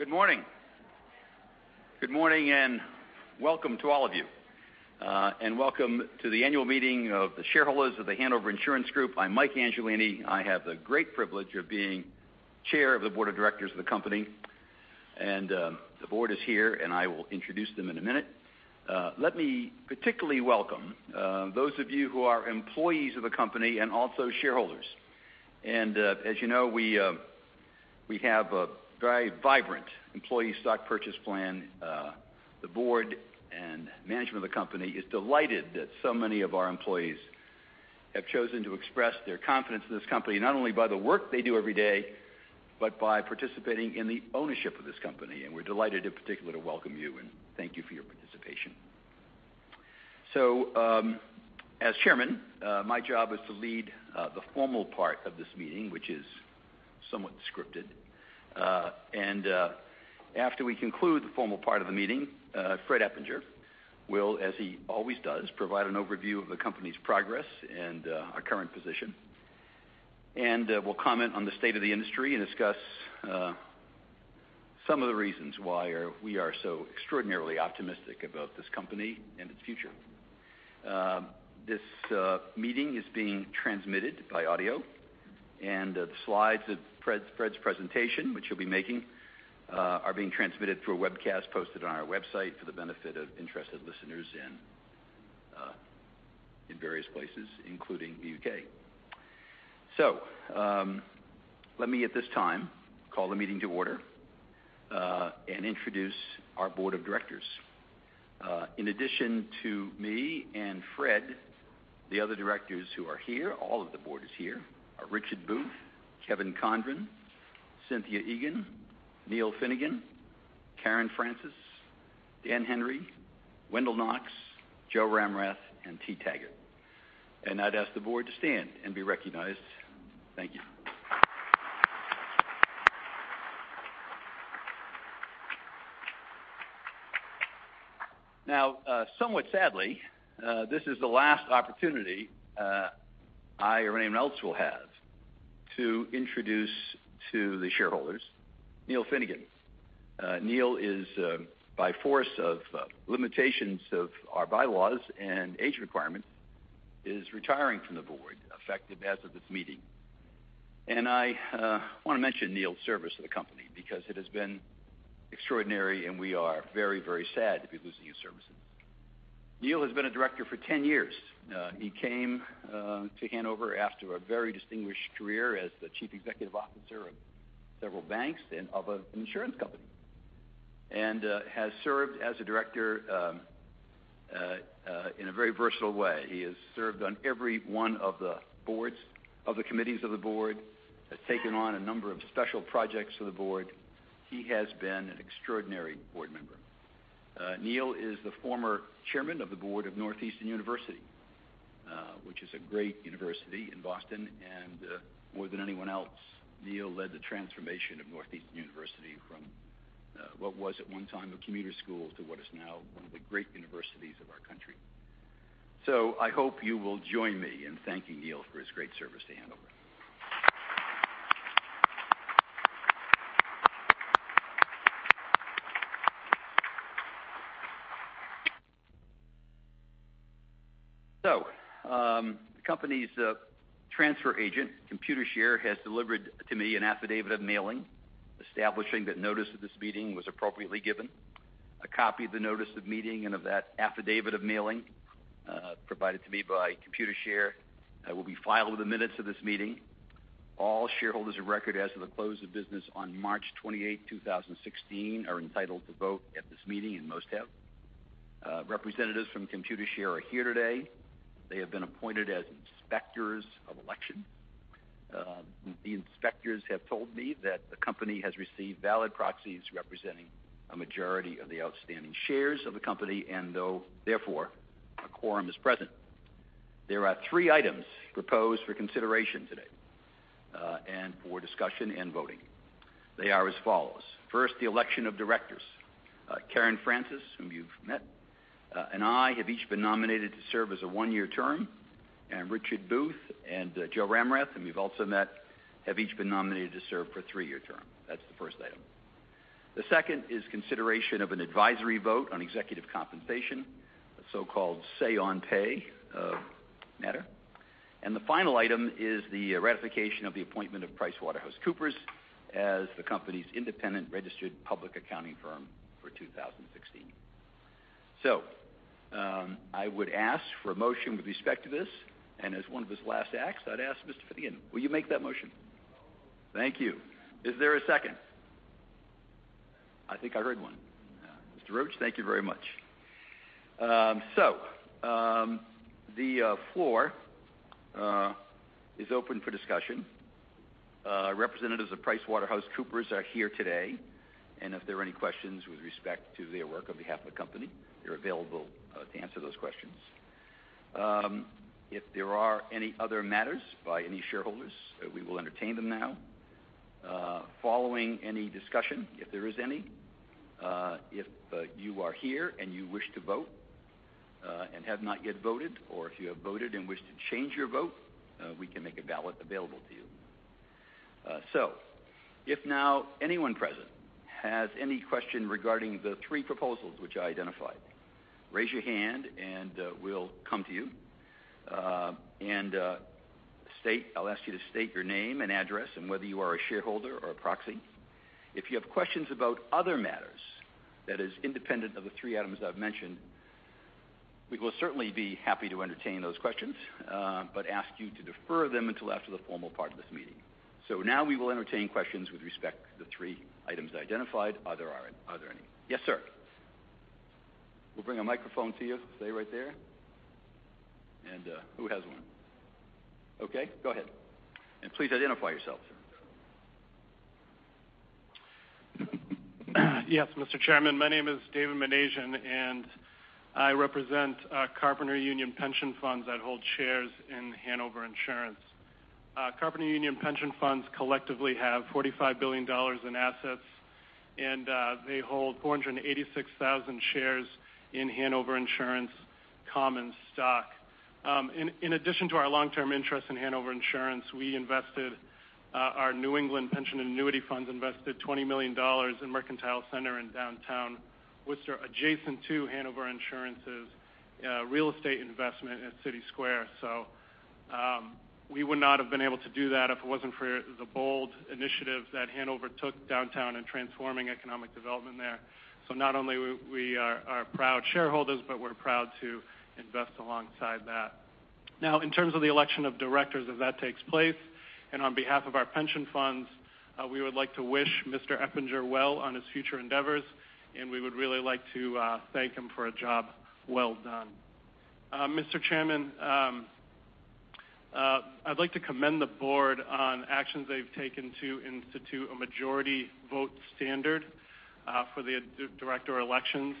Good morning. Good morning and welcome to all of you. Welcome to the annual meeting of the shareholders of The Hanover Insurance Group. I'm Mike Angelini. I have the great privilege of being chair of the board of directors of the company. The board is here, and I will introduce them in a minute. Let me particularly welcome those of you who are employees of the company and also shareholders. As you know, we have a very vibrant employee stock purchase plan. The board and management of the company is delighted that so many of our employees have chosen to express their confidence in this company, not only by the work they do every day, but by participating in the ownership of this company. We're delighted, in particular, to welcome you and thank you for your participation. As chairman, my job is to lead the formal part of this meeting, which is somewhat scripted. After we conclude the formal part of the meeting, Fred Eppinger will, as he always does, provide an overview of the company's progress and our current position. Will comment on the state of the industry and discuss some of the reasons why we are so extraordinarily optimistic about this company and its future. This meeting is being transmitted by audio, and the slides of Fred's presentation, which he'll be making, are being transmitted through a webcast posted on our website for the benefit of interested listeners in various places, including the U.K. Let me, at this time, call the meeting to order, and introduce our board of directors. In addition to me and Fred, the other directors who are here, all of the board is here, are Richard Booth, Kevin Condron, Cynthia Egan, Neil Finnegan, Karen Francis, Dan Henry, Wendell Knox, Joe Ramrath, and T. Taggart. I'd ask the board to stand and be recognized. Thank you. Somewhat sadly, this is the last opportunity I or anyone else will have to introduce to the shareholders, Neil Finnegan. Neil is, by force of limitations of our bylaws and age requirement, is retiring from the board, effective as of this meeting. I want to mention Neil's service to the company because it has been extraordinary, and we are very sad to be losing his services. Neil has been a director for 10 years. He came to Hanover after a very distinguished career as the chief executive officer of several banks and of an insurance company, and has served as a director in a very versatile way. He has served on every one of the committees of the board, has taken on a number of special projects for the board. He has been an extraordinary board member. Neil is the former chairman of the board of Northeastern University, which is a great university in Boston, and more than anyone else, Neil led the transformation of Northeastern University from what was at one time a commuter school, to what is now one of the great universities of our country. I hope you will join me in thanking Neil for his great service to Hanover. The company's transfer agent, Computershare, has delivered to me an affidavit of mailing, establishing that notice of this meeting was appropriately given. A copy of the notice of meeting and of that affidavit of mailing, provided to me by Computershare, will be filed with the minutes of this meeting. All shareholders of record as of the close of business on March 28th, 2016, are entitled to vote at this meeting, and most have. Representatives from Computershare are here today. They have been appointed as inspectors of election. The inspectors have told me that the company has received valid proxies representing a majority of the outstanding shares of the company, and though therefore a quorum is present. There are three items proposed for consideration today, and for discussion and voting. They are as follows. First, the election of directors. Karen Francis, whom you've met, and I have each been nominated to serve as a one-year term, and Richard Booth and Joe Ramrath, whom you've also met, have each been nominated to serve for a three-year term. That's the first item. The second is consideration of an advisory vote on executive compensation, the so-called say on pay matter. The final item is the ratification of the appointment of PricewaterhouseCoopers as the company's independent registered public accounting firm for 2016. I would ask for a motion with respect to this, and as one of his last acts, I'd ask Mr. Finnegan, will you make that motion? Thank you. Is there a second? I think I heard one. Mr. Roach, thank you very much. The floor is open for discussion. Representatives of PricewaterhouseCoopers are here today, and if there are any questions with respect to their work on behalf of the company, they're available to answer those questions. If there are any other matters by any shareholders, we will entertain them now. Following any discussion, if there is any. If you are here and you wish to vote and have not yet voted, or if you have voted and wish to change your vote, we can make a ballot available to you. If now anyone present has any question regarding the three proposals which I identified, raise your hand and we'll come to you. And I'll ask you to state your name and address and whether you are a shareholder or a proxy. If you have questions about other matters, that is independent of the three items that I've mentioned, we will certainly be happy to entertain those questions, but ask you to defer them until after the formal part of this meeting. Now we will entertain questions with respect to the three items identified. Are there any? Yes, sir. We'll bring a microphone to you. Stay right there. And who has one? Okay, go ahead. And please identify yourself, sir. Yes, Mr. Chairman. My name is David Minasian, and I represent Carpenters Union Pension Funds that hold shares in Hanover Insurance. Carpenters Union Pension Funds collectively have $45 billion in assets, and they hold 486,000 shares in Hanover Insurance common stock. In addition to our long-term interest in Hanover Insurance, our New England Pension Annuity Funds invested $20 million in Mercantile Center in downtown Worcester, adjacent to Hanover Insurance's real estate investment at CitySquare. We would not have been able to do that if it wasn't for the bold initiative that Hanover took downtown in transforming economic development there. Not only we are proud shareholders, but we're proud to invest alongside that. In terms of the election of directors, as that takes place, and on behalf of our pension funds, we would like to wish Mr. Eppinger well on his future endeavors, and we would really like to thank him for a job well done. Mr. Chairman, I'd like to commend the board on actions they've taken to institute a majority vote standard for the director elections.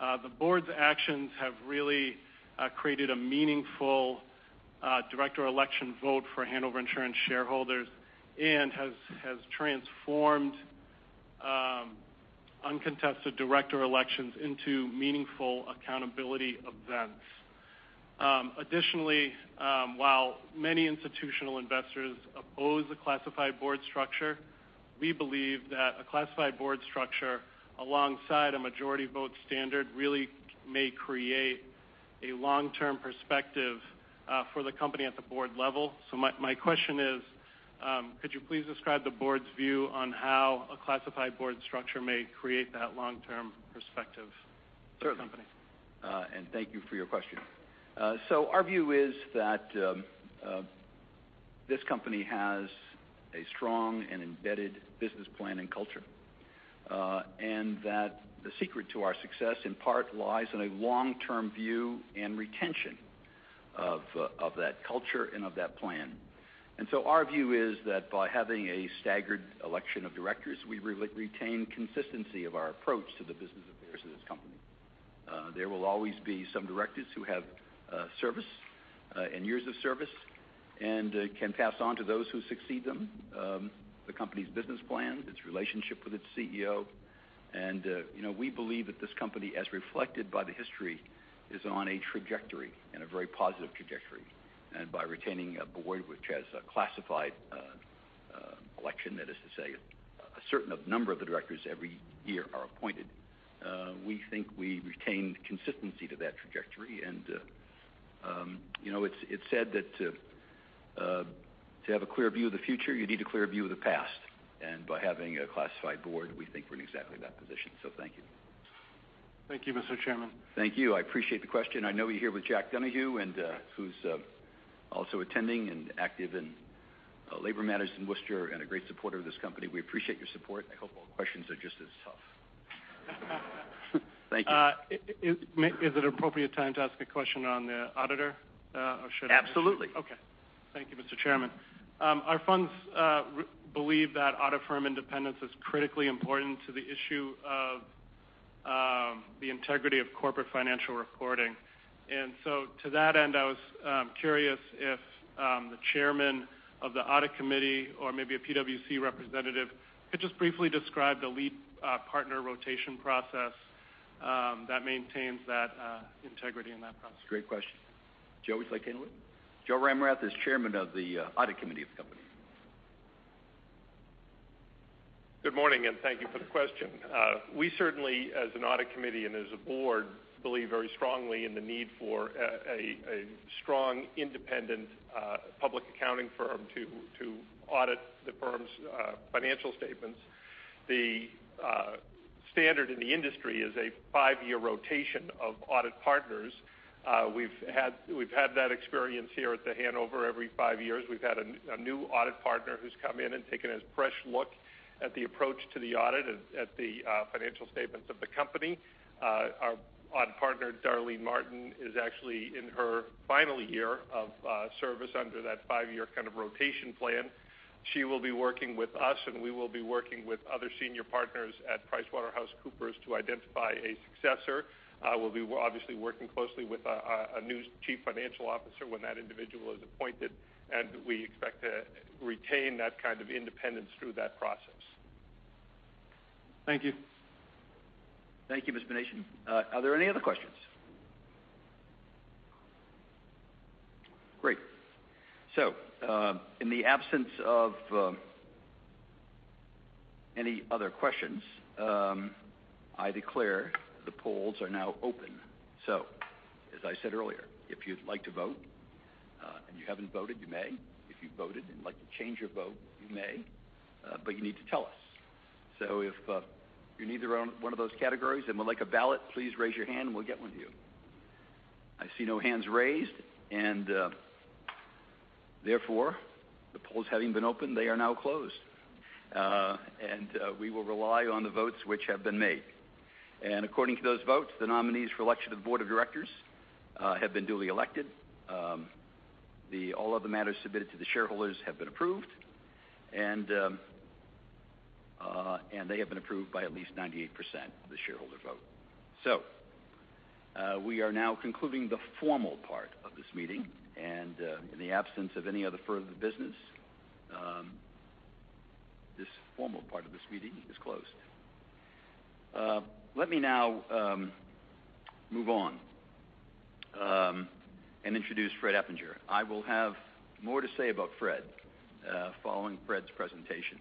The board's actions have really created a meaningful director election vote for Hanover Insurance shareholders and has transformed uncontested director elections into meaningful accountability events. While many institutional investors oppose a classified board structure, we believe that a classified board structure alongside a majority vote standard really may create a long-term perspective for the company at the board level. My question is, could you please describe the board's view on how a classified board structure may create that long-term perspective for the company? Certainly. Thank you for your question. Our view is that this company has a strong and embedded business plan and culture. That the secret to our success, in part, lies in a long-term view and retention of that culture and of that plan. Our view is that by having a staggered election of directors, we retain consistency of our approach to the business affairs of this company. There will always be some directors who have service and years of service and can pass on to those who succeed them the company's business plan, its relationship with its CEO. We believe that this company, as reflected by the history, is on a trajectory and a very positive trajectory. By retaining a board which has a classified election, that is to say, a certain number of the directors every year are appointed, we think we retain consistency to that trajectory. It's said that to have a clear view of the future, you need a clear view of the past. By having a classified board, we think we're in exactly that position. Thank you. Thank you, Mr. Chairman. Thank you. I appreciate the question. I know you're here with Jack Donahue, who's also attending and active in labor matters in Worcester and a great supporter of this company. We appreciate your support. I hope all the questions are just as tough. Thank you. Is it an appropriate time to ask a question on the auditor or should I- Absolutely. Okay. Thank you, Mr. Chairman. Our funds believe that audit firm independence is critically important to the issue of the integrity of corporate financial reporting. To that end, I was curious if the Chairman of the audit committee or maybe a PwC representative could just briefly describe the lead partner rotation process that maintains that integrity in that process. Great question. Joe, would you like to handle it? Joe Ramrath is Chairman of the audit committee of the company. Good morning. Thank you for the question. We certainly, as an audit committee and as a board, believe very strongly in the need for a strong, independent public accounting firm to audit the firm's financial statements. The standard in the industry is a five-year rotation of audit partners. We've had that experience here at The Hanover every five years. We've had a new audit partner who's come in and taken a fresh look at the approach to the audit at the financial statements of the company. Our audit partner, Darlene Martin, is actually in her final year of service under that five-year kind of rotation plan. She will be working with us, and we will be working with other senior partners at PricewaterhouseCoopers to identify a successor. We'll be obviously working closely with a new Chief Financial Officer when that individual is appointed. We expect to retain that kind of independence through that process. Thank you. Thank you, Mr. Minasian. Are there any other questions? Great. In the absence of any other questions, I declare the polls are now open. As I said earlier, if you'd like to vote, and you haven't voted, you may. If you've voted and would like to change your vote, you may, but you need to tell us. If you're either one of those categories and would like a ballot, please raise your hand and we'll get one to you. I see no hands raised, and therefore, the polls having been opened, they are now closed. We will rely on the votes which have been made. According to those votes, the nominees for election of the board of directors have been duly elected. All other matters submitted to the shareholders have been approved, and they have been approved by at least 98% of the shareholder vote. We are now concluding the formal part of this meeting, and in the absence of any other further business, this formal part of this meeting is closed. Let me now move on and introduce Fred Eppinger. I will have more to say about Fred following Fred's presentation.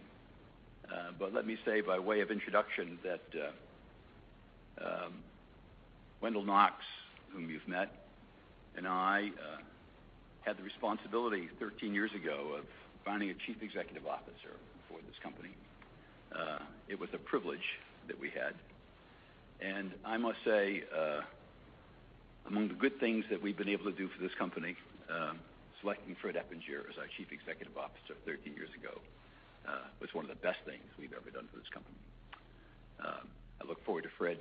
Let me say by way of introduction that Wendell Knox, whom you've met, and I had the responsibility 13 years ago of finding a Chief Executive Officer for this company. It was a privilege that we had. I must say, among the good things that we've been able to do for this company, selecting Fred Eppinger as our Chief Executive Officer 13 years ago was one of the best things we've ever done for this company. I look forward to Fred's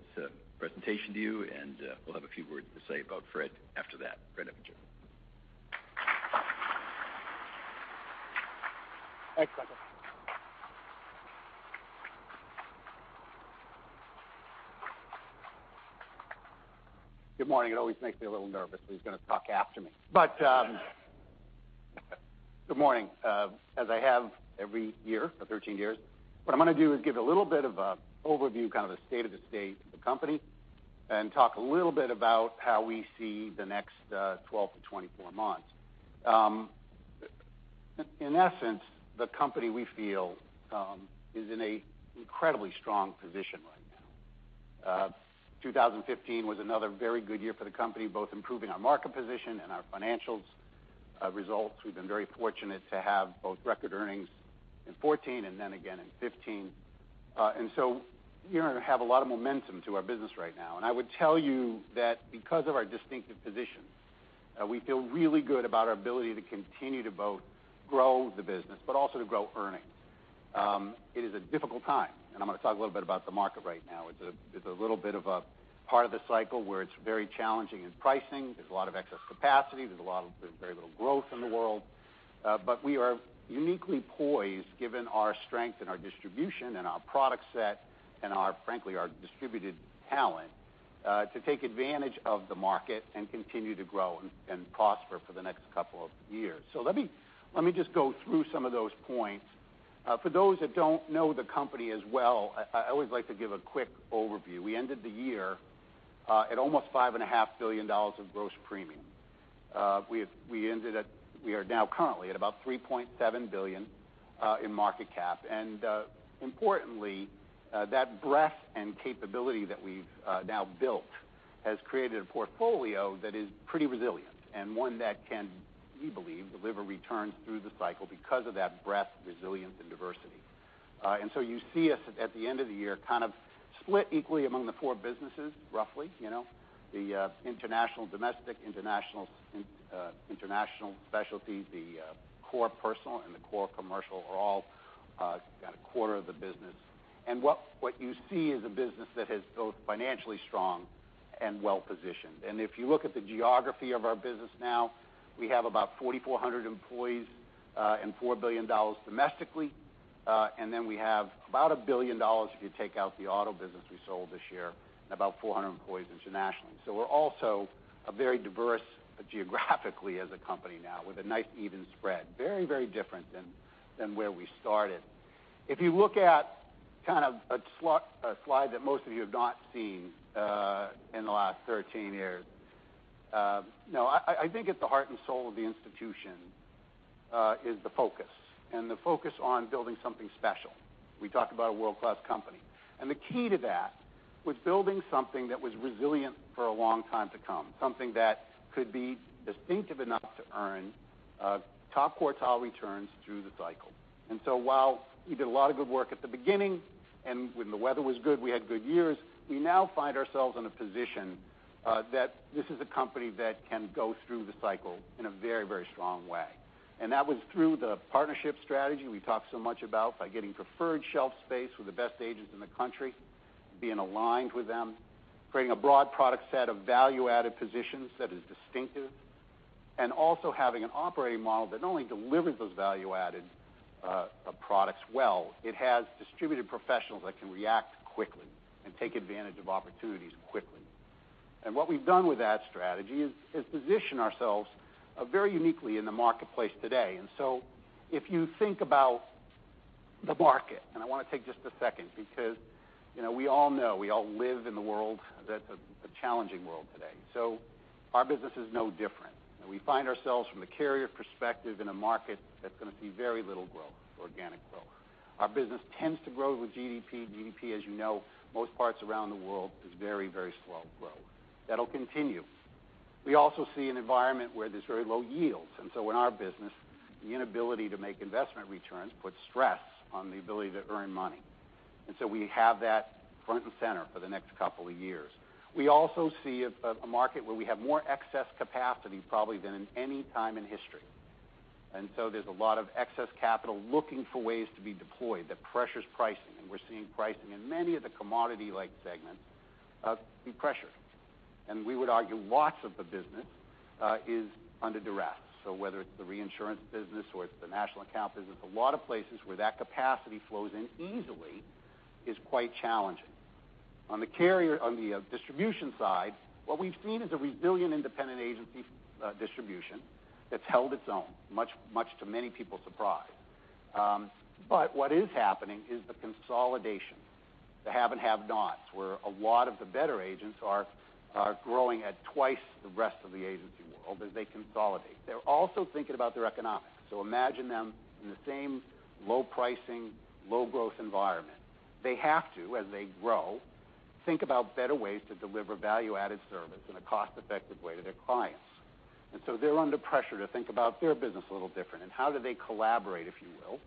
presentation to you, and will have a few words to say about Fred after that. Fred Eppinger. Thanks, Michael. Good morning. It always makes me a little nervous when he's going to talk after me. Good morning. As I have every year for 13 years, what I'm going to do is give a little bit of a overview, kind of a state of the state of the company, and talk a little bit about how we see the next 12-24 months. In essence, the company, we feel, is in a incredibly strong position right now. 2015 was another very good year for the company, both improving our market position and our financials results. We've been very fortunate to have both record earnings in 2014 and then again in 2015. We have a lot of momentum to our business right now. I would tell you that because of our distinctive position, we feel really good about our ability to continue to both grow the business, but also to grow earnings. It is a difficult time, and I'm going to talk a little bit about the market right now. It's a little bit of a part of the cycle where it's very challenging in pricing. There's a lot of excess capacity. There's very little growth in the world. We are uniquely poised given our strength and our distribution and our product set and frankly our distributed talent, to take advantage of the market and continue to grow and prosper for the next couple of years. Let me just go through some of those points. For those that don't know the company as well, I always like to give a quick overview. We ended the year at almost $5.5 billion of gross premium. We are now currently at about $3.7 billion in market cap. Importantly, that breadth and capability that we've now built has created a portfolio that is pretty resilient and one that can, we believe, deliver returns through the cycle because of that breadth, resilience, and diversity. You see us at the end of the year kind of split equally among the four businesses, roughly. The international domestic, international specialty, the core personal, and the core commercial are all kind of quarter of the business. What you see is a business that is both financially strong and well-positioned. If you look at the geography of our business now, we have about 4,400 employees and $4 billion domestically. We have about $1 billion if you take out the auto business we sold this year, and about 400 employees internationally. We're also very diverse geographically as a company now with a nice even spread. Very different than where we started. If you look at kind of a slide that most of you have not seen in the last 13 years. I think at the heart and soul of the institution is the focus and the focus on building something special. We talk about a world-class company, and the key to that was building something that was resilient for a long time to come, something that could be distinctive enough to earn top quartile returns through the cycle. While we did a lot of good work at the beginning and when the weather was good, we had good years, we now find ourselves in a position that this is a company that can go through the cycle in a very strong way. That was through the partnership strategy we talked so much about by getting preferred shelf space with the best agents in the country, being aligned with them, creating a broad product set of value-added positions that is distinctive. Also having an operating model that not only delivers those value-added products well, it has distributed professionals that can react quickly and take advantage of opportunities quickly. What we've done with that strategy is position ourselves very uniquely in the marketplace today. If you think about The market. I want to take just a second because we all know, we all live in the world that's a challenging world today. Our business is no different, and we find ourselves from the carrier perspective in a market that's going to see very little growth, organic growth. Our business tends to grow with GDP. GDP, as you know, most parts around the world is very slow growth. That'll continue. We also see an environment where there's very low yields. In our business, the inability to make investment returns puts stress on the ability to earn money. We have that front and center for the next couple of years. We also see a market where we have more excess capacity probably than in any time in history. There's a lot of excess capital looking for ways to be deployed that pressures pricing, and we're seeing pricing in many of the commodity-like segments being pressured. We would argue lots of the business is under duress. Whether it's the reinsurance business or it's the national account business, a lot of places where that capacity flows in easily is quite challenging. On the carrier on the distribution side, what we've seen is a resilient independent agency distribution that's held its own, much to many people's surprise. What is happening is the consolidation, the have and have nots, where a lot of the better agents are growing at twice the rest of the agency world as they consolidate. They're also thinking about their economics. Imagine them in the same low pricing, low growth environment. They have to, as they grow, think about better ways to deliver value-added service in a cost-effective way to their clients. They're under pressure to think about their business a little different and how do they collaborate, if you will,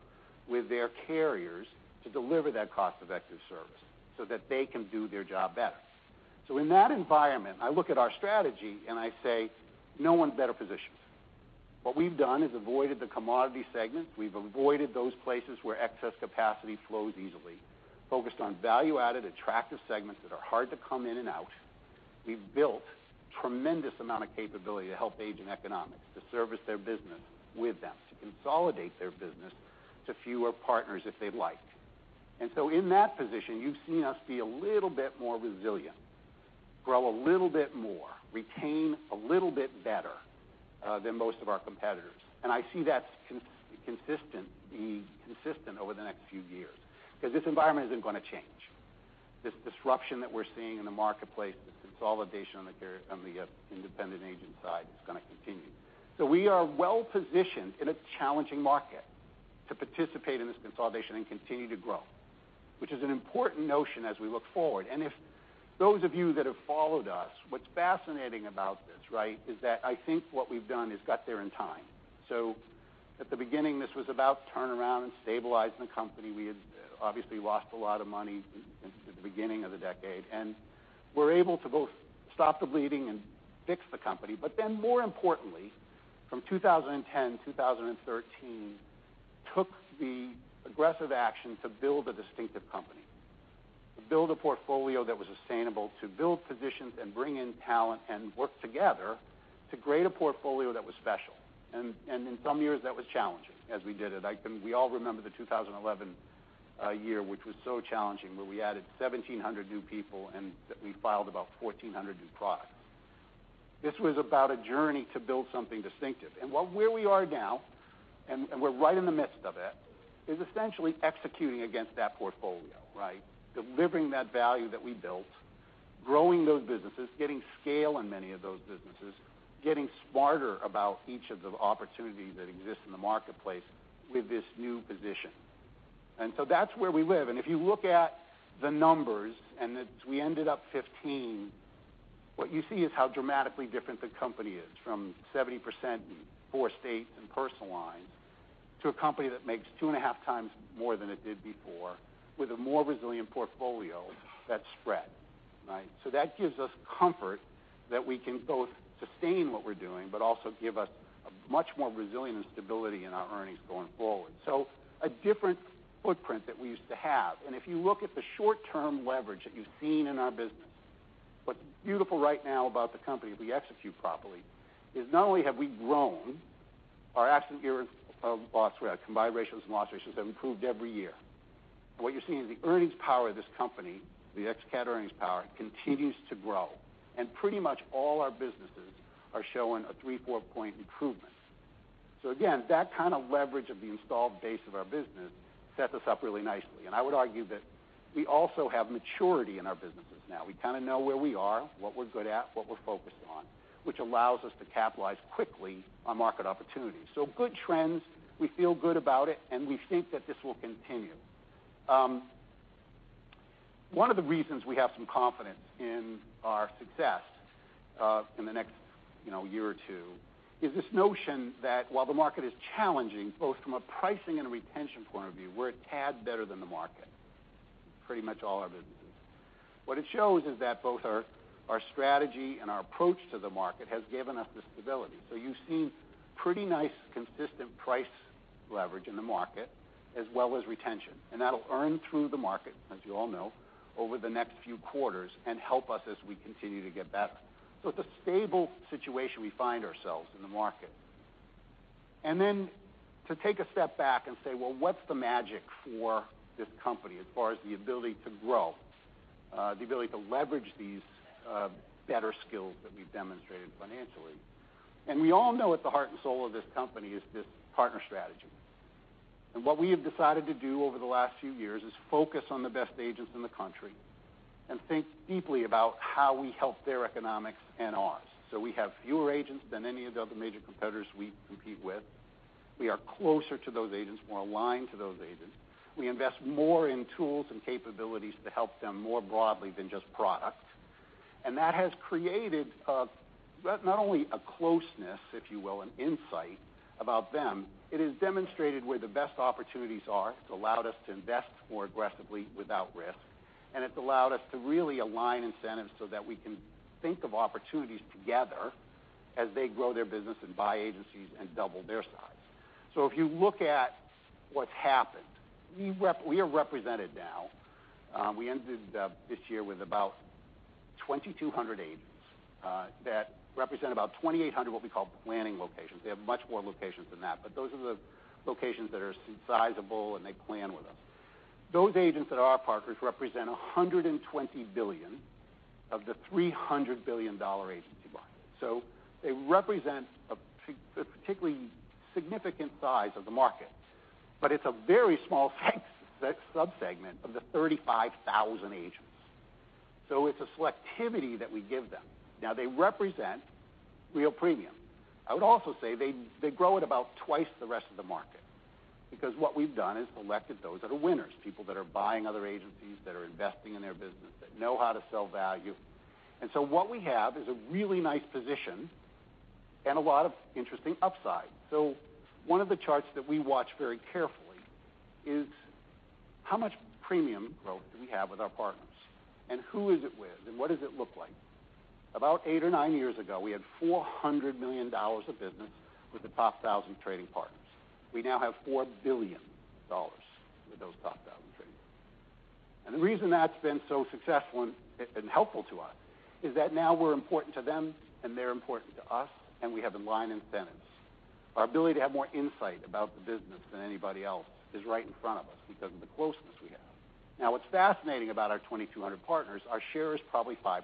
with their carriers to deliver that cost-effective service so that they can do their job better. In that environment, I look at our strategy and I say, "No one's better positioned." What we've done is avoided the commodity segment. We've avoided those places where excess capacity flows easily, focused on value-added, attractive segments that are hard to come in and out. We've built tremendous amount of capability to help agent economics to service their business with them, to consolidate their business to fewer partners if they'd like. In that position, you've seen us be a little bit more resilient, grow a little bit more, retain a little bit better than most of our competitors. I see that being consistent over the next few years because this environment isn't going to change. This disruption that we're seeing in the marketplace, the consolidation on the carrier on the independent agent side is going to continue. We are well positioned in a challenging market to participate in this consolidation and continue to grow, which is an important notion as we look forward. If those of you that have followed us, what's fascinating about this is that I think what we've done is got there in time. At the beginning, this was about turnaround and stabilizing the company. We had obviously lost a lot of money at the beginning of the decade, and were able to both stop the bleeding and fix the company. More importantly, from 2010, 2013, took the aggressive action to build a distinctive company, to build a portfolio that was sustainable, to build positions and bring in talent and work together to create a portfolio that was special. In some years, that was challenging as we did it. We all remember the 2011 year, which was so challenging, where we added 1,700 new people and that we filed about 1,400 new products. This was about a journey to build something distinctive. Where we are now, and we're right in the midst of it, is essentially executing against that portfolio. Delivering that value that we built, growing those businesses, getting scale in many of those businesses, getting smarter about each of the opportunities that exist in the marketplace with this new position. That's where we live. If you look at the numbers, and as we ended up 2015, what you see is how dramatically different the company is from 70% in four states and personal lines to a company that makes two and a half times more than it did before with a more resilient portfolio that's spread. That gives us comfort that we can both sustain what we're doing but also give us a much more resilience stability in our earnings going forward. A different footprint than we used to have. If you look at the short-term leverage that you've seen in our business, what's beautiful right now about the company, if we execute properly, is not only have we grown our absolute loss ratio, combined ratios and loss ratios have improved every year. What you're seeing is the earnings power of this company, the ex-cat earnings power, continues to grow. Pretty much all our businesses are showing a three, four-point improvement. Again, that kind of leverage of the installed base of our business sets us up really nicely. I would argue that we also have maturity in our businesses now. We kind of know where we are, what we're good at, what we're focused on, which allows us to capitalize quickly on market opportunities. Good trends, we feel good about it, and we think that this will continue. One of the reasons we have some confidence in our success in the next year or two is this notion that while the market is challenging, both from a pricing and a retention point of view, we're a tad better than the market in pretty much all our businesses. What it shows is that both our strategy and our approach to the market has given us the stability. You've seen pretty nice consistent price leverage in the market as well as retention, and that'll earn through the market, as you all know, over the next few quarters and help us as we continue to get better. It's a stable situation we find ourselves in the market. To take a step back and say, "Well, what's the magic for this company as far as the ability to grow?" The ability to leverage these better skills that we've demonstrated financially. We all know at the heart and soul of this company is this partner strategy. What we have decided to do over the last few years is focus on the best agents in the country and think deeply about how we help their economics and ours. We have fewer agents than any of the other major competitors we compete with. We are closer to those agents, more aligned to those agents. We invest more in tools and capabilities to help them more broadly than just products. That has created not only a closeness, if you will, an insight about them, it has demonstrated where the best opportunities are. It's allowed us to invest more aggressively without risk, and it's allowed us to really align incentives so that we can think of opportunities together as they grow their business and buy agencies and double their size. If you look at what's happened, we are represented now. We ended this year with about 2,200 agents that represent about 2,800 what we call planning locations. They have much more locations than that, but those are the locations that are sizable, and they plan with us. Those agents that are our partners represent $120 billion of the $300 billion agency market. They represent a particularly significant size of the market, but it's a very small sub-segment of the 35,000 agents. It's a selectivity that we give them. They represent real premium. I would also say they grow at about twice the rest of the market because what we've done is selected those that are winners, people that are buying other agencies that are investing in their business, that know how to sell value. What we have is a really nice position and a lot of interesting upside. One of the charts that we watch very carefully is how much premium growth do we have with our partners, and who is it with, and what does it look like? About eight or nine years ago, we had $400 million of business with the top 1,000 trading partners. We now have $4 billion with those top 1,000 trading partners. The reason that's been so successful and helpful to us is that now we're important to them, and they're important to us, and we have aligned incentives. Our ability to have more insight about the business than anybody else is right in front of us because of the closeness we have. What's fascinating about our 2,200 partners, our share is probably 5%.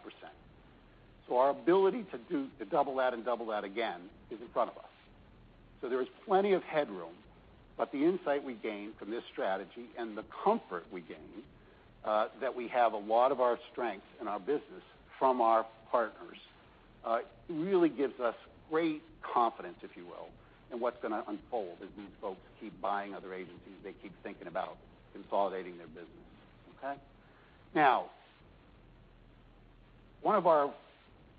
Our ability to double that and double that again is in front of us. There is plenty of headroom, but the insight we gain from this strategy and the comfort we gain that we have a lot of our strength in our business from our partners really gives us great confidence, if you will, in what's going to unfold as these folks keep buying other agencies, they keep thinking about consolidating their business. Okay? One of our,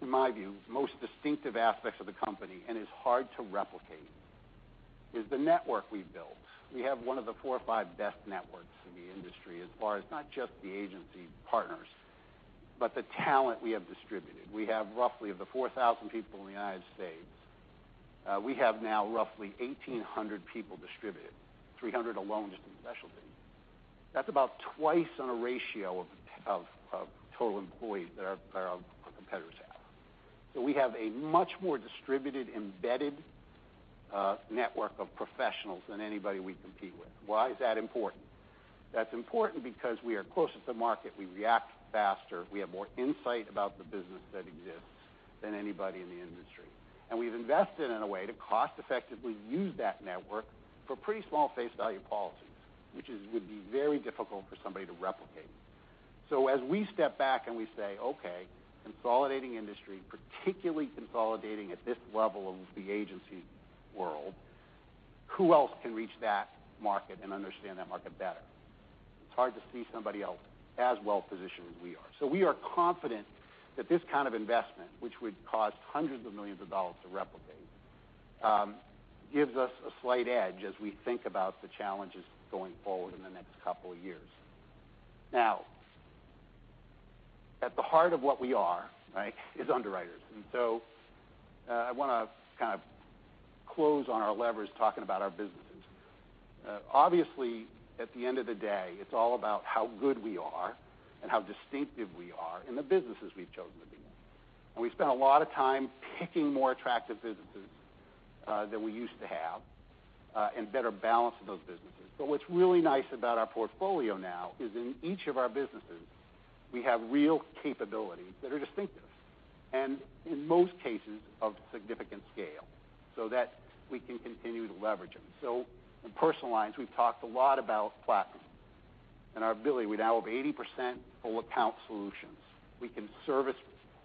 in my view, most distinctive aspects of the company, and it's hard to replicate, is the network we've built. We have one of the four or five best networks in the industry as far as not just the agency partners, but the talent we have distributed. We have roughly of the 4,000 people in the United States, we have now roughly 1,800 people distributed, 300 alone just in specialty. That's about twice on a ratio of total employees that our competitors have. We have a much more distributed, embedded network of professionals than anybody we compete with. Why is that important? That's important because we are closer to market, we react faster, we have more insight about the business that exists than anybody in the industry. We've invested in a way to cost effectively use that network for pretty small face value policies, which would be very difficult for somebody to replicate. As we step back and we say, "Okay, consolidating industry, particularly consolidating at this level of the agency world, who else can reach that market and understand that market better?" It's hard to see somebody else as well positioned as we are. We are confident that this kind of investment, which would cost hundreds of millions of dollars to replicate gives us a slight edge as we think about the challenges going forward in the next couple of years. Now, at the heart of what we are is underwriters. I want to close on our leverage talking about our businesses. Obviously, at the end of the day, it's all about how good we are and how distinctive we are in the businesses we've chosen to be in. We've spent a lot of time picking more attractive businesses than we used to have and better balancing those businesses. What's really nice about our portfolio now is in each of our businesses, we have real capabilities that are distinctive and in most cases, of significant scale so that we can continue to leverage them. In personal lines, we've talked a lot about Platinum and our ability. We now have 80% full account solutions. We can service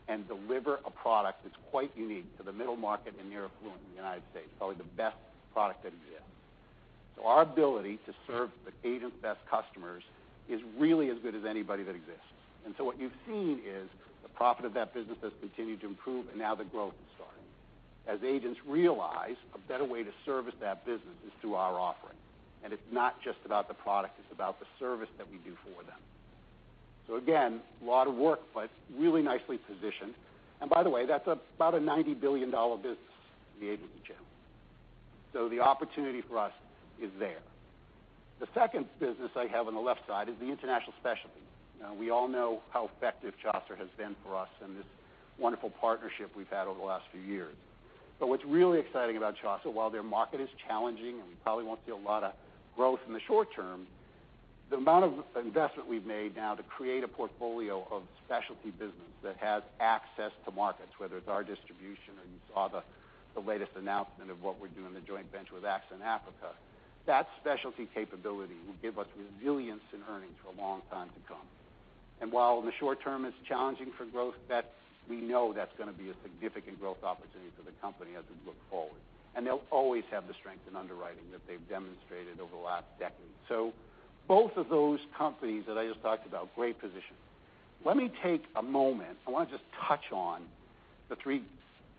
and deliver a product that's quite unique to the middle market and near affluent in the United States, probably the best product that exists. Our ability to serve the agent's best customers is really as good as anybody that exists. What you've seen is the profit of that business has continued to improve, and now the growth is starting as agents realize a better way to service that business is through our offering. It's not just about the product, it's about the service that we do for them. Again, a lot of work, but really nicely positioned. By the way, that's about a $90 billion business in the agency channel. The opportunity for us is there. The second business I have on the left side is the international specialty. Now, we all know how effective Chaucer has been for us and this wonderful partnership we've had over the last few years. What's really exciting about Chaucer, while their market is challenging, and we probably won't see a lot of growth in the short term, the amount of investment we've made now to create a portfolio of specialty business that has access to markets, whether it's our distribution or you saw the latest announcement of what we're doing, the joint venture with AXA in Africa. That specialty capability will give us resilience in earnings for a long time to come. While in the short term it's challenging for growth, we know that's going to be a significant growth opportunity for the company as we look forward. They'll always have the strength in underwriting that they've demonstrated over the last decade. Both of those companies that I just talked about, great position. Let me take a moment. I want to just touch on the three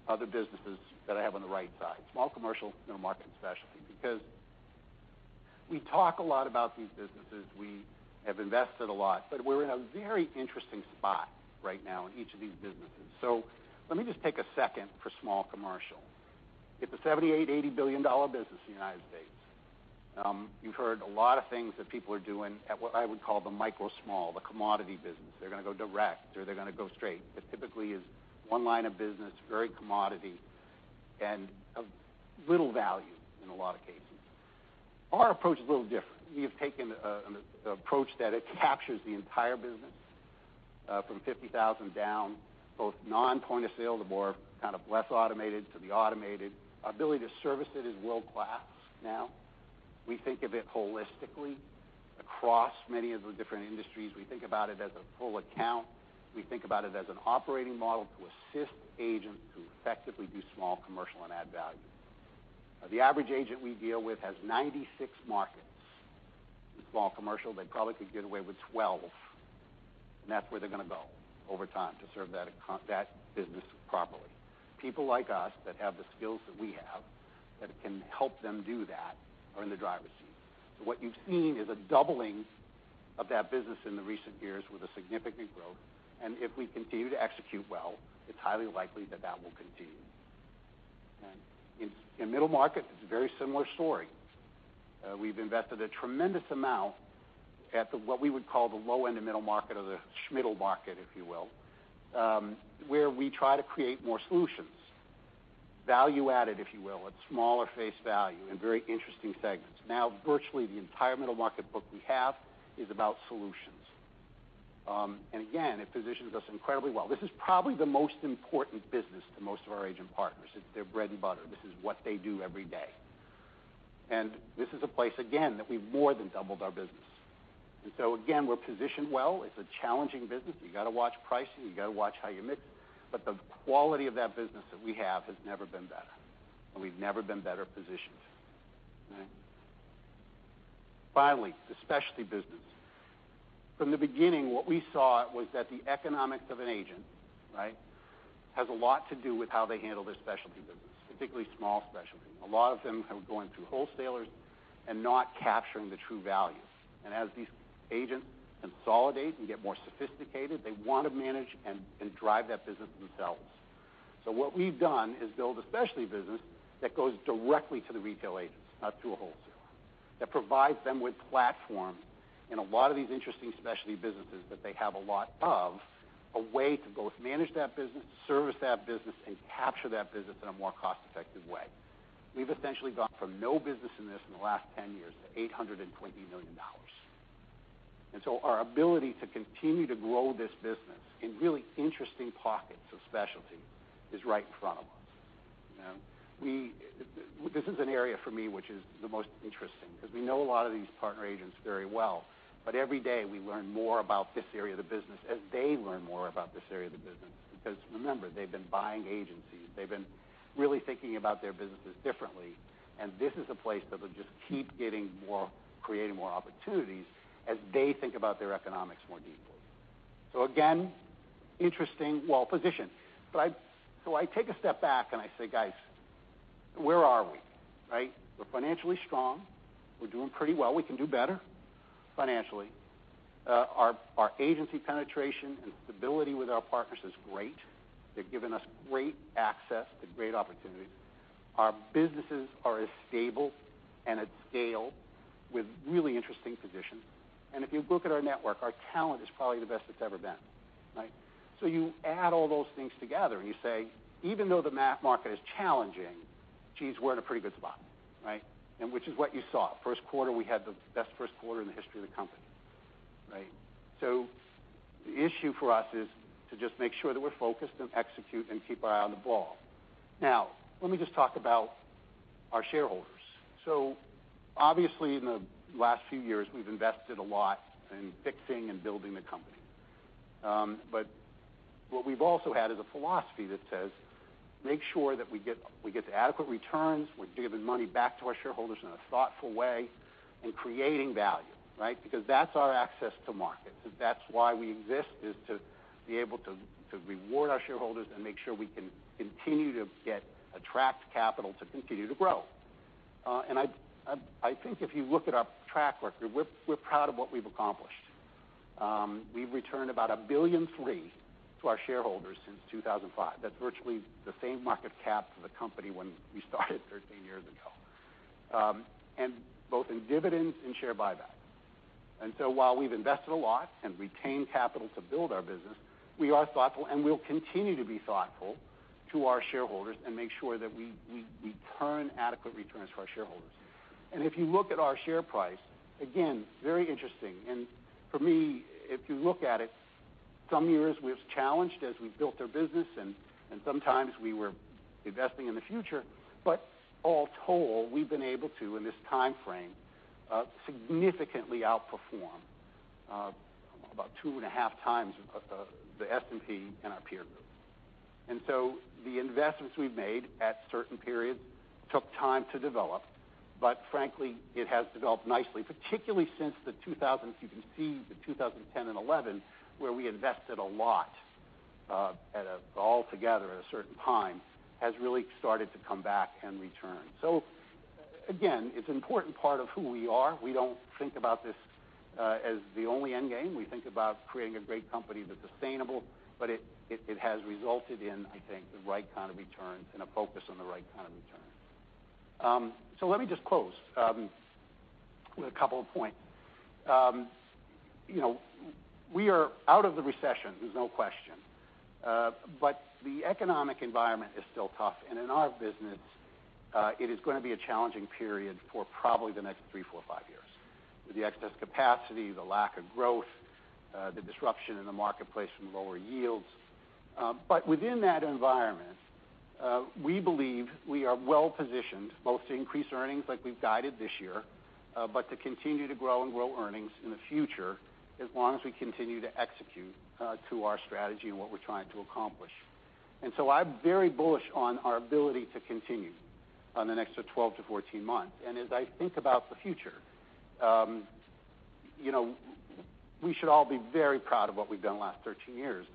other businesses that I have on the right side, small commercial, middle market, and specialty, because we talk a lot about these businesses. We have invested a lot, but we're in a very interesting spot right now in each of these businesses. Let me just take a second for small commercial. It's a $78 billion-$80 billion business in the United States. You've heard a lot of things that people are doing at what I would call the micro small, the commodity business. They're going to go direct or they're going to go straight. It typically is one line of business, very commodity, and of little value in a lot of cases. Our approach is a little different. We have taken an approach that it captures the entire business, from 50,000 down, both non-point of sale, the more kind of less automated to the automated. Our ability to service it is world-class now. We think of it holistically across many of the different industries. We think about it as a full account. We think about it as an operating model to assist agents who effectively do small commercial and add value. The average agent we deal with has 96 markets. In small commercial, they probably could get away with 12. That's where they're going to go over time to serve that business properly. People like us that have the skills that we have that can help them do that are in the driver's seat. What you've seen is a doubling of that business in the recent years with a significant growth. If we continue to execute well, it's highly likely that that will continue. In middle market, it's a very similar story. We've invested a tremendous amount at what we would call the low-end of middle market or the schmiddle market, if you will, where we try to create more solutions, value added, if you will, at smaller face value in very interesting segments. Now virtually the entire middle market book we have is about solutions. Again, it positions us incredibly well. This is probably the most important business to most of our agent partners. It's their bread and butter. This is what they do every day. This is a place, again, that we've more than doubled our business. Again, we're positioned well. It's a challenging business. You got to watch pricing. You got to watch how you mix. The quality of that business that we have has never been better, and we've never been better positioned. Finally, the specialty business. From the beginning, what we saw was that the economics of an agent has a lot to do with how they handle their specialty business, particularly small specialty. A lot of them are going through wholesalers and not capturing the true value. As these agents consolidate and get more sophisticated, they want to manage and drive that business themselves. What we've done is build a specialty business that goes directly to the retail agents, not through a wholesaler, that provides them with platform in a lot of these interesting specialty businesses that they have a lot of, a way to both manage that business, service that business, and capture that business in a more cost-effective way. We've essentially gone from no business in this in the last 10 years to $820 million. Our ability to continue to grow this business in really interesting pockets of specialty is right in front of us. This is an area for me which is the most interesting because we know a lot of these partner agents very well. Every day, we learn more about this area of the business as they learn more about this area of the business, because remember, they've been buying agencies. They've been really thinking about their businesses differently, and this is a place that will just keep creating more opportunities as they think about their economics more deeply. Again, interesting. Well-positioned. I take a step back and I say, "Guys, where are we?" We're financially strong. We're doing pretty well. We can do better financially. Our agency penetration and stability with our partners is great. They've given us great access to great opportunities. Our businesses are as stable and at scale with really interesting positions. If you look at our network, our talent is probably the best it's ever been. You add all those things together, and you say, even though the market is challenging, jeez, we're in a pretty good spot. Which is what you saw. First quarter, we had the best first quarter in the history of the company. The issue for us is to just make sure that we're focused and execute and keep our eye on the ball. Now, let me just talk about our shareholders. Obviously, in the last few years, we've invested a lot in fixing and building the company. What we've also had is a philosophy that says, make sure that we get adequate returns. We're giving money back to our shareholders in a thoughtful way and creating value. That's our access to market. That's why we exist, is to be able to reward our shareholders and make sure we can continue to attract capital to continue to grow. I think if you look at our track record, we're proud of what we've accomplished. We've returned about $1.3 billion to our shareholders since 2005. That's virtually the same market cap for the company when we started 13 years ago. Both in dividends and share buyback. While we've invested a lot and retained capital to build our business, we are thoughtful, and we'll continue to be thoughtful to our shareholders and make sure that we return adequate returns to our shareholders. If you look at our share price, again, very interesting. For me, if you look at it, some years we've challenged as we've built our business, and sometimes we were investing in the future. All told, we've been able to, in this timeframe, significantly outperform about 2.5 times the S&P and our peer group. The investments we've made at certain periods took time to develop. Frankly, it has developed nicely, particularly since the 2000s. You can see the 2010 and 2011, where we invested a lot altogether at a certain time, has really started to come back and return. Again, it's an important part of who we are. We don't think about this as the only end game. We think about creating a great company that's sustainable, but it has resulted in, I think, the right kind of returns and a focus on the right kind of returns. Let me just close with a couple of points. We are out of the recession, there's no question. The economic environment is still tough. In our business, it is going to be a challenging period for probably the next three, four, five years with the excess capacity, the lack of growth, the disruption in the marketplace from lower yields. Within that environment, we believe we are well-positioned both to increase earnings like we've guided this year, but to continue to grow and grow earnings in the future as long as we continue to execute to our strategy and what we're trying to accomplish. I'm very bullish on our ability to continue on the next 12 to 14 months. As I think about the future, we should all be very proud of what we've done the last 13 years.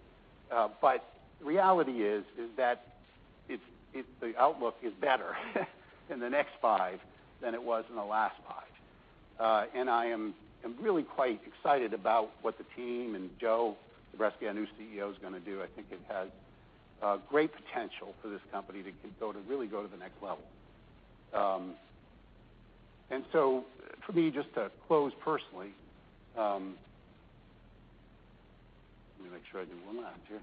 The reality is that the outlook is better in the next five than it was in the last five. I am really quite excited about what the team and Joe, the rest of our new CEO, is going to do. I think it has great potential for this company to really go to the next level. For me, just to close personally, let me make sure I do one last here,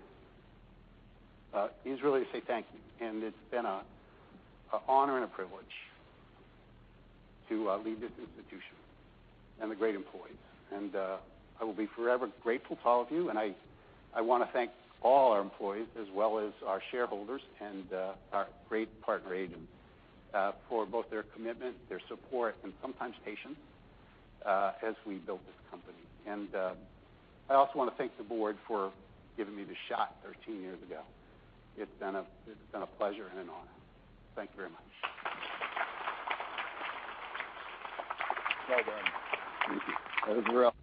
is really to say thank you. It's been an honor and a privilege to lead this institution and the great employees. I will be forever grateful to all of you. I want to thank all our employees as well as our shareholders and our great partner agents for both their commitment, their support, and sometimes patience as we built this company. I also want to thank the board for giving me the shot 13 years ago. It's been a pleasure and an honor. Thank you very much. Well done. Thank you. That was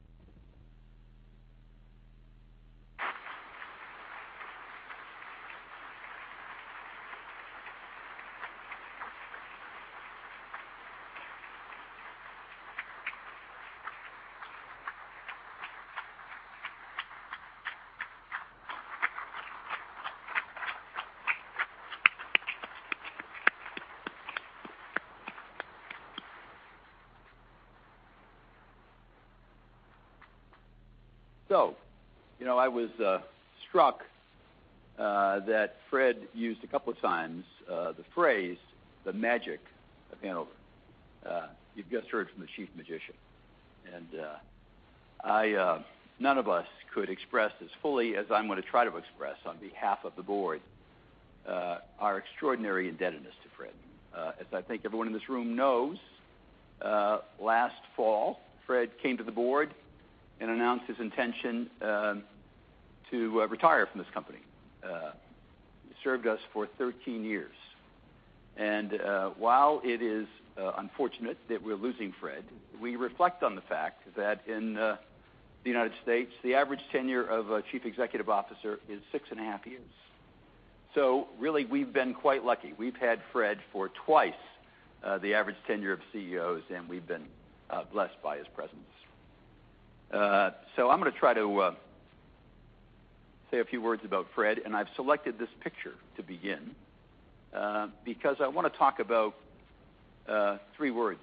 real. I was struck that Fred used a couple of times the phrase, "The magic of Hanover." You've just heard from the chief magician. None of us could express as fully as I'm going to try to express on behalf of the board our extraordinary indebtedness to Fred. As I think everyone in this room knows, last fall, Fred came to the board and announced his intention to retire from this company. He served us for 13 years. While it is unfortunate that we're losing Fred, we reflect on the fact that in the United States, the average tenure of a chief executive officer is six and a half years. Really, we've been quite lucky. We've had Fred for twice the average tenure of CEOs, and we've been blessed by his presence. I'm going to try to say a few words about Fred, and I've selected this picture to begin because I want to talk about three words.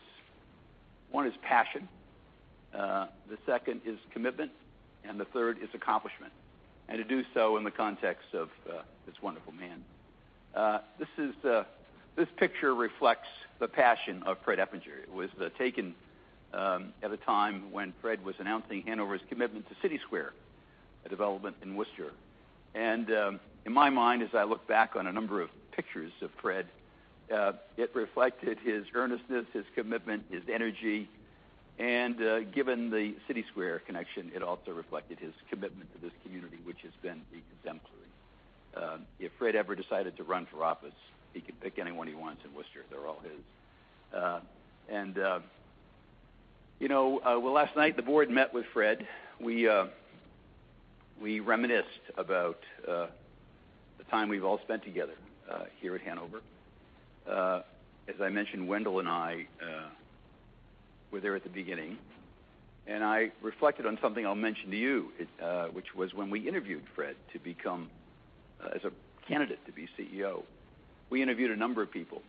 One is passion, the second is commitment, and the third is accomplishment, and to do so in the context of this wonderful man. This picture reflects the passion of Fred Eppinger. It was taken at a time when Fred was announcing Hanover's commitment to CitySquare, a development in Worcester. In my mind, as I look back on a number of pictures of Fred, it reflected his earnestness, his commitment, his energy. Given the CitySquare connection, it also reflected his commitment to this community, which has been exemplary. If Fred ever decided to run for office, he could pick anyone he wants in Worcester. They're all his. Last night, the board met with Fred. We reminisced about the time we've all spent together here at Hanover. As I mentioned, Wendell and I were there at the beginning, and I reflected on something I'll mention to you, which was when we interviewed Fred as a candidate to be CEO. We interviewed a number of people.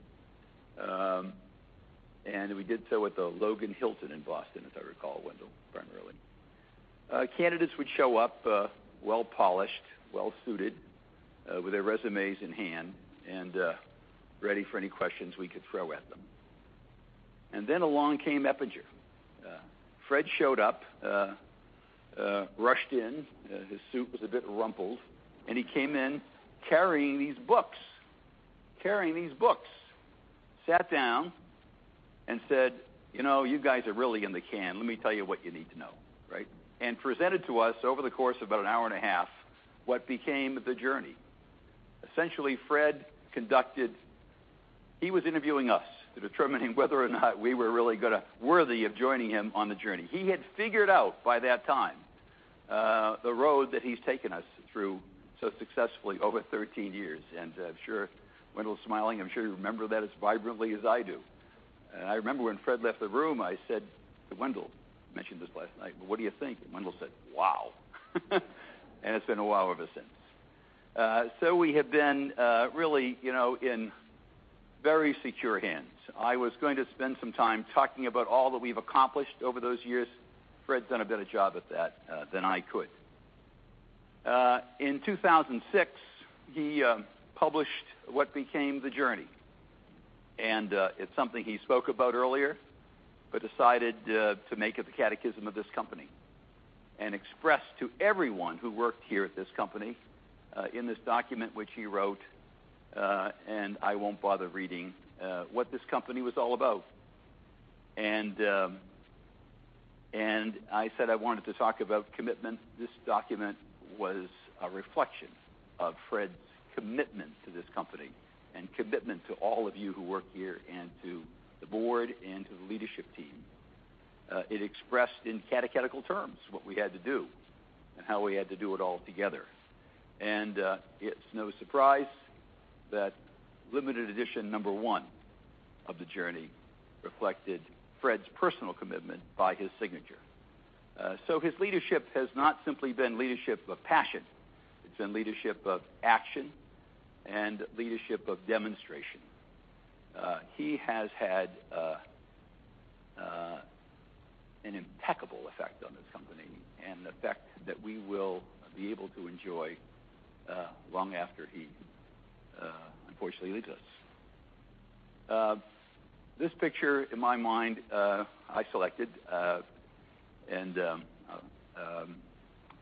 We did so at the Hilton Boston Logan Airport in Boston, if I recall, Wendell, quite early. Candidates would show up well polished, well suited, with their resumes in hand and ready for any questions we could throw at them. Then along came Eppinger. Fred showed up, rushed in, his suit was a bit rumpled, and he came in carrying these books. Sat down and said, "You guys are really in the can. Let me tell you what you need to know." Right? Presented to us over the course of about an hour and a half what became The Journey. Essentially Fred conducted, he was interviewing us to determine whether or not we were really worthy of joining him on The Journey. He had figured out by that time the road that he's taken us through so successfully over 13 years, and I'm sure Wendell's smiling. I'm sure you remember that as vibrantly as I do. I remember when Fred left the room, I said to Wendell, mentioned this last night, "Well, what do you think?" Wendell said, "Wow." It's been wow ever since. We have been really in very secure hands. I was going to spend some time talking about all that we've accomplished over those years. Fred's done a better job at that than I could. In 2006, he published what became "The Journey," It's something he spoke about earlier, but decided to make it the catechism of this company and express to everyone who worked here at this company, in this document which he wrote, and I won't bother reading, what this company was all about. I said I wanted to talk about commitment. This document was a reflection of Fred's commitment to this company and commitment to all of you who work here and to the board and to the leadership team. It expressed in catechetical terms what we had to do and how we had to do it all together. It's no surprise that limited edition number one of "The Journey" reflected Fred's personal commitment by his signature. His leadership has not simply been leadership of passion. It's been leadership of action and leadership of demonstration. He has had an impeccable effect on this company and an effect that we will be able to enjoy long after he unfortunately leaves us. This picture in my mind, I selected,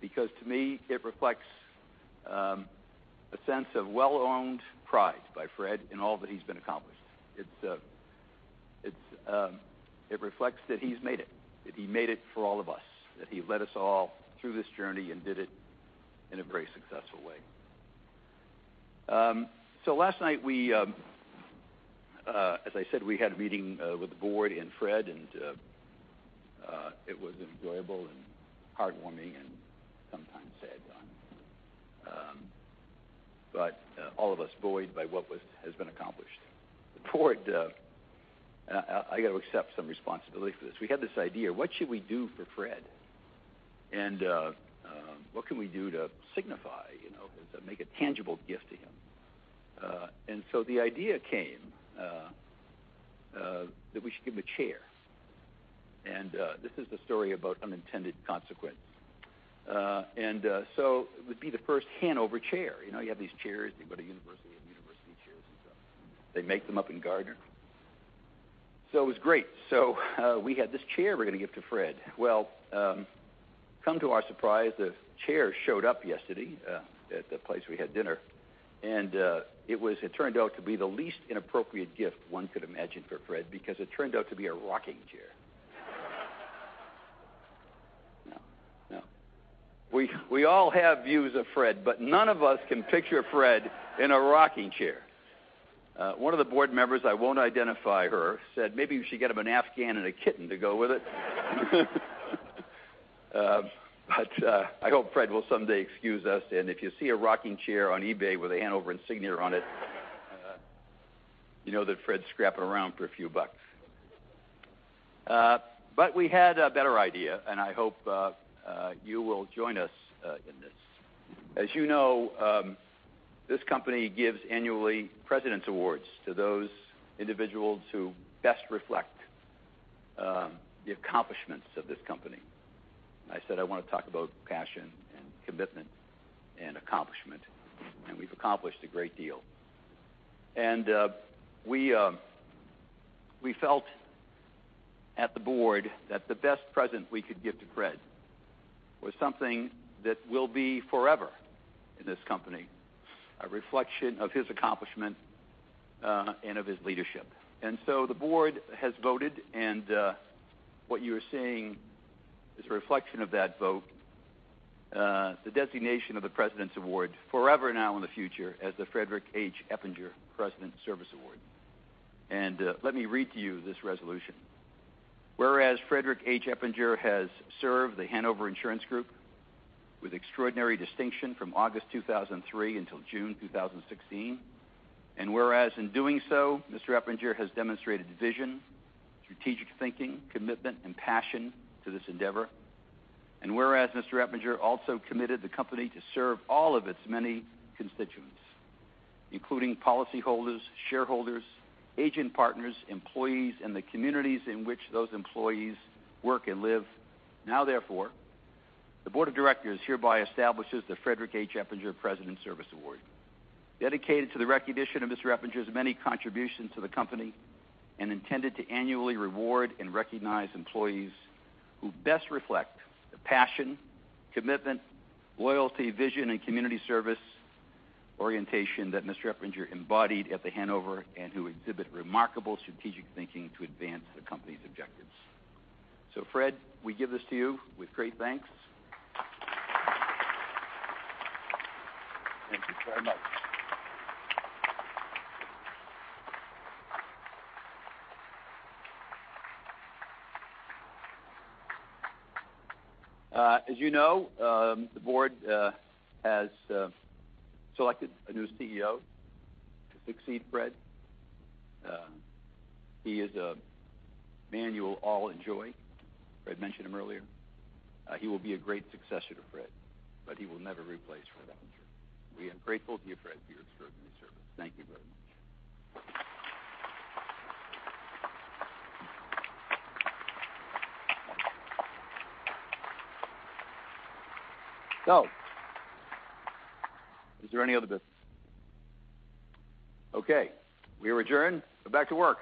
because to me it reflects a sense of well-owned pride by Fred in all that he's been accomplished. It reflects that he's made it, that he made it for all of us, that he led us all through this journey and did it in a very successful way. Last night, as I said, we had a meeting with the board and Fred, and it was enjoyable and heartwarming and sometimes sad, but all of us buoyed by what has been accomplished. The board, and I got to accept some responsibility for this, we had this idea: what should we do for Fred? What can we do to signify, to make a tangible gift to him? The idea came that we should give him a chair, This is the story about unintended consequence. It would be the first Hanover chair. You have these chairs, they go to university and university chairs and stuff. They make them up in Gardner. It was great. We had this chair we're going to give to Fred. Come to our surprise, the chair showed up yesterday at the place we had dinner. It turned out to be the least inappropriate gift one could imagine for Fred because it turned out to be a rocking chair. No. We all have views of Fred, but none of us can picture Fred in a rocking chair. One of the board members, I won't identify her, said maybe we should get him an Afghan and a kitten to go with it. I hope Fred will someday excuse us. If you see a rocking chair on eBay with a Hanover insignia on it- you know that Fred's scrapping around for a few bucks. We had a better idea, I hope you will join us in this. As you know, this company gives annually President's Awards to those individuals who best reflect the accomplishments of this company. I said I want to talk about passion and commitment and accomplishment, We've accomplished a great deal. We felt at the board that the best present we could give to Fred was something that will be forever in this company, a reflection of his accomplishment, and of his leadership. The board has voted, what you are seeing is a reflection of that vote, the designation of the President's Award forever now in the future as the Frederick H. Eppinger President's Service Award. Let me read to you this resolution. "Whereas Frederick H. Eppinger has served The Hanover Insurance Group with extraordinary distinction from August 2003 until June 2016, whereas in doing so, Mr. Eppinger has demonstrated vision, strategic thinking, commitment, and passion to this endeavor. Whereas Mr. Eppinger also committed the company to serve all of its many constituents, including policyholders, shareholders, agent partners, employees, and the communities in which those employees work and live. Now therefore, the board of directors hereby establishes the Frederick H. Eppinger President's Service Award, dedicated to the recognition of Mr. Eppinger's many contributions to the company, intended to annually reward and recognize employees who best reflect the passion, commitment, loyalty, vision, and community service orientation that Mr. Eppinger embodied at The Hanover, who exhibit remarkable strategic thinking to advance the company's objectives." Fred, we give this to you with great thanks. Thank you very much. As you know, the board has selected a new CEO to succeed Fred. He is a man you will all enjoy. Fred mentioned him earlier. He will be a great successor to Fred, but he will never replace Fred Eppinger. We are grateful to you, Fred, for your extraordinary service. Thank you very much. Is there any other business? Okay. We are adjourned. Go back to work.